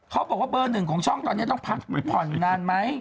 เขาบอกว่าเบอร์หนึ่งของช่องตอนนี้ต้องพักผ่อนนานไหม